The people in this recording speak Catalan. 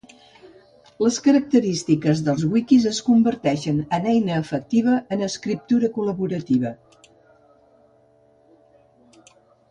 Les característiques dels wikis és converteixen en eina efectiva en escriptura col·laborativa